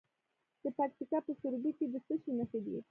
د پکتیکا په سروبي کې د څه شي نښې دي؟